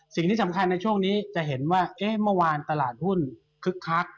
สิ่งที่สำคัญในช่วงนี้จะเห็นว่าเมื่อวานตลาดหุ้นคึกคัก